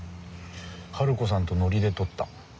春子さんとノリで撮った。